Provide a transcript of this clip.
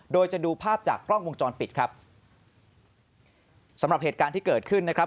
โดยจะดูภาพจากกล้องวงจรปิดครับสำหรับเหตุการณ์ที่เกิดขึ้นนะครับ